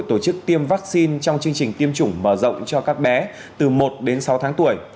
tổ chức tiêm vaccine trong chương trình tiêm chủng mở rộng cho các bé từ một đến sáu tháng tuổi